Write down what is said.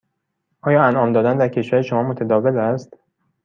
آیا انعام دادن در کشور شما متداول است؟